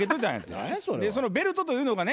そのベルトというのがね